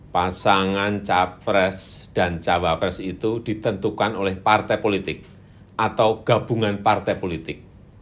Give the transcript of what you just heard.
pasangan capres dan cawapres itu ditentukan oleh partai politik atau gabungan partai politik